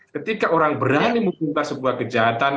ketika orang berani meminta sebuah kejahatan